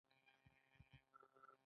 د تیلو پمپونه په هر سړک شته